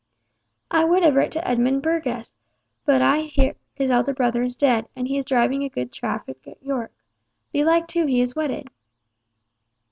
I would have writ to Edmund Burgess, but I hear his elder brother is dead, and he is driving a good traffic at York. Belike too he is wedded."